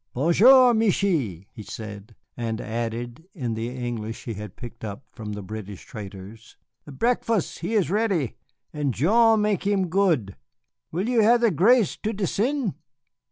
"B'jour, Michié," he said, and added in the English he had picked up from the British traders, "the breakfas' he is ready, and Jean make him good. Will you have the grace to descen'?"